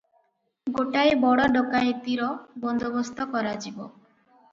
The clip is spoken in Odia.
ଗୋଟାଏ ବଡ଼ ଡକାଏତିର ବନ୍ଦୋବସ୍ତ କରାଯିବ ।